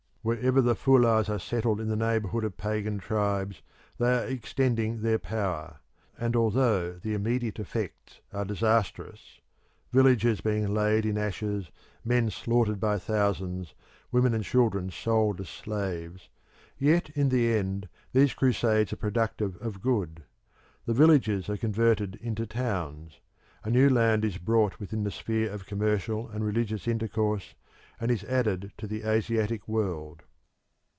Wherever the Fulahs are settled in the neighbourhood of pagan tribes they are extending their power, and although the immediate effects are disastrous villages being laid in ashes, men slaughtered by thousands, women and children sold as slaves yet in the end these crusades are productive of good. The villages are converted into towns; a new land is brought within the sphere of commercial and religious intercourse, and is added to the Asiatic world.